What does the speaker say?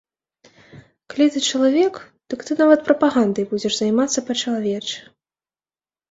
Калі ты чалавек, дык ты нават прапагандай будзеш займацца па-чалавечы.